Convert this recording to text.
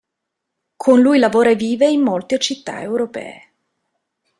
Con lui lavora e vive in molte città europee.